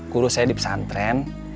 guru saya di pesantren